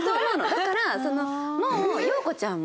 だからもう。